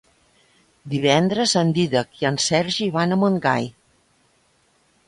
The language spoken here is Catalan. Divendres en Dídac i en Sergi van a Montgai.